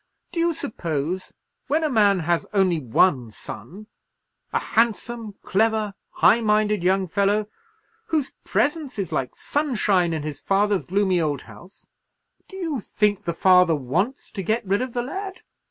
Do you suppose, when a man has only one son, a handsome, clever, high minded young fellow, whose presence is like sunshine in his father's gloomy old house—do you think the father wants to get rid of the lad?